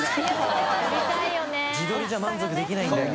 自撮りじゃ満足できないんだよ。